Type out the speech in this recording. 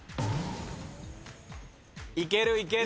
いけるいける。